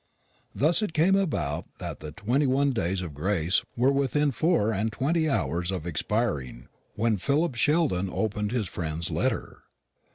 Thus it came about that the twenty one days of grace were within four and twenty hours of expiring when Philip Sheldon opened his friend's letter.